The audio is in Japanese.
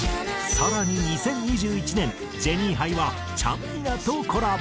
更に２０２１年ジェニーハイはちゃんみなとコラボ。